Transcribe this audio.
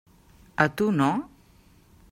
A tu no?